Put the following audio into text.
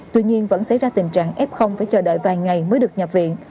tuy nhiên vẫn xảy ra tình trạng f phải chờ đợi vài ngày mới được nhập viện